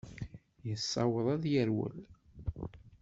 Yessaweḍ ad yerwel.